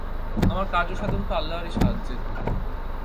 আমার কার্য-সাধন তো আল্লাহরই সাহায্যে।